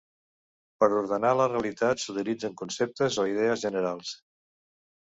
Per ordenar la realitat s’utilitzen conceptes o idees generals.